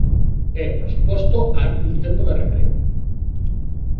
E, por suposto, hai un tempo de recreo.